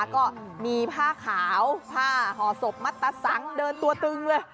ก็มีผ้าขาวผ้าห่อศพมัตตะสังเดินตัวตึงเลย